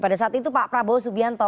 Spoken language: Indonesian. pada saat itu pak prabowo subianto